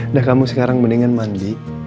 nah kamu sekarang mendingan mandi